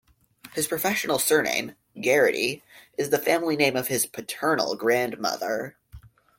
His professional surname, Garity, is the family name of his paternal grandmother.